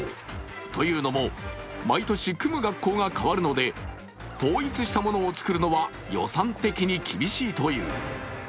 というのも毎年組む学校が変わるので統一したものを作るのは予算的に厳しいという。